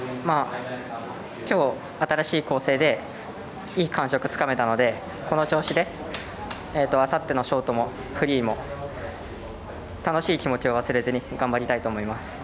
今日、新しい構成でいい感触をつかめたのでこの調子であさってのショートもフリーも楽しい気持ちを忘れずに頑張りたいと思います。